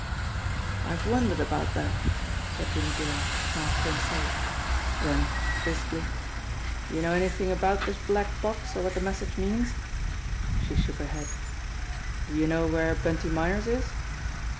"I've wondered about that," said Jimmie Dale, half to himself ; then, briskly : "Do you know anything about this black box or what the message means ?" She shook her head. "Do you know where Bunty Myers is?"